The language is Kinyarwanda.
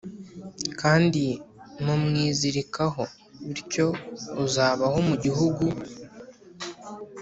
kandi mumwizirikaho. bityo uzabaho, mu gihugu